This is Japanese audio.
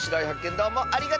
どうもありがとう！